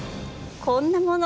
こんなもの。